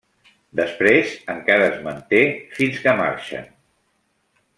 Després, encara es manté fins que marxen.